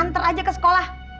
antar aja ke sekolah